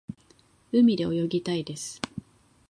海で泳ぎたいです。